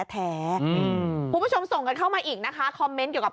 คุณผู้ชมส่งกันเข้ามาอีกนะคะคอมเมนต์เกี่ยวกับ